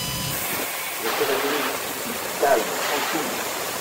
Je serais venu jusqu’ici, calme, tranquille !